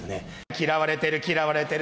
嫌われてる、嫌われてる。